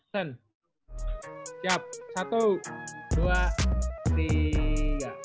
siap satu dua tiga